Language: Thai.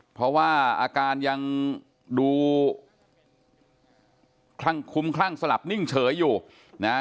เพราะว่าอาการยังดูคลั่งคุ้มคลั่งสลับนิ่งเฉยอยู่นะฮะ